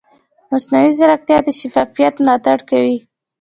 مصنوعي ځیرکتیا د شفافیت ملاتړ کوي.